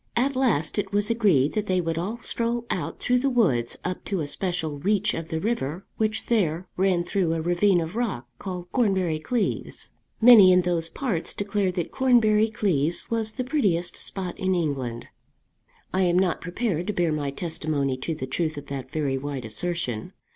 At last it was agreed that they would all stroll out through the woods up to a special reach of the river which there ran through a ravine of rock, called Cornbury Cleeves. Many in those parts declared that Cornbury Cleeves was the prettiest spot in England. I am not prepared to bear my testimony to the truth of that very wide assertion.